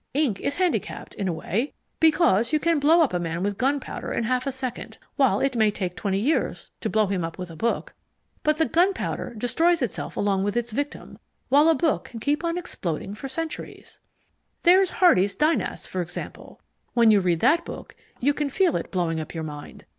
Ink is handicapped, in a way, because you can blow up a man with gunpowder in half a second, while it may take twenty years to blow him up with a book. But the gunpowder destroys itself along with its victim, while a book can keep on exploding for centuries. There's Hardy's Dynasts for example. When you read that book you can feel it blowing up your mind.